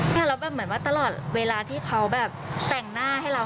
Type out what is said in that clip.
แล้วแบบเหมือนว่าตลอดเวลาที่เขาแบบแต่งหน้าให้เรา